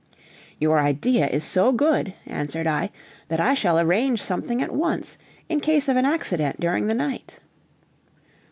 "Your idea is so good," answered I, "that I shall arrange something at once, in case of an accident during the night."